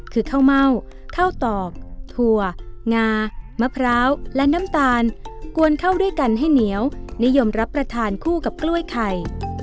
คือข้าวเม่าข้าวตอกถั่วงามะพร้าวและน้ำตาลกวนเข้าด้วยกันให้เหนียวนิยมรับประทานคู่กับกล้วยไข่